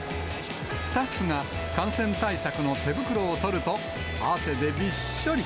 スタッフが感染対策の手袋を取ると、汗でびっしょり。